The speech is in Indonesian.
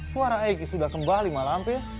suara eik sudah kembali malampir